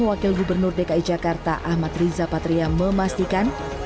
wakil gubernur dki jakarta ahmad riza patria memastikan